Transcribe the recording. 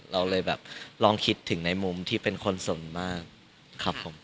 เราเลยแบบลองคิดถึงในมุมที่เป็นคนส่วนมากครับผม